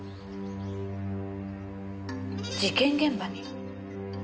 事件現場に？